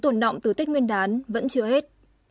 tuần động từ tết nguyên đán vẫn chưa hết